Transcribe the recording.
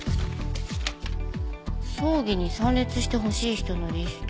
葬儀に参列してほしい人のリスト。